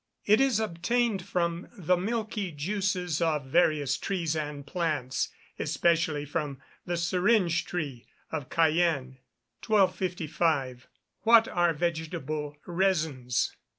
It is obtained from the milky juice of various trees and plants, especially from the syringe tree, of Cayenne. 1255. _What are vegetable resins?